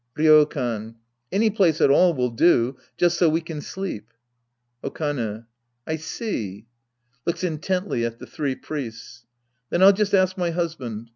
Ryokan. Any place at all will do, just so we can sleep. Okane. I see. {Looks intetttly at the three priests.) Then I'll just ask my husband.